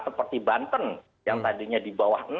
seperti banten yang tadinya di bawah